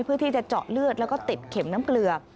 เพื่อที่จะเจาะเลือดแล้วก็ติดเข็มน้ำเกลือ